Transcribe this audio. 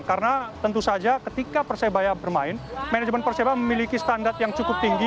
karena tentu saja ketika persebaya bermain manajemen persebaya memiliki standar yang cukup tinggi